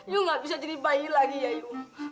yu gak bisa jadi bayi lagi ya yu